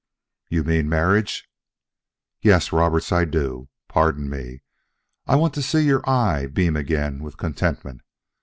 "You mean marriage?" "Yes, Roberts, I do. Pardon me; I want to see your eye beam again with contentment.